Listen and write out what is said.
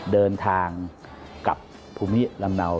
เดินทางกับภูมิลำเนา